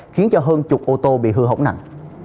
khiến hơn chục ô tô bị hư hỏng nặng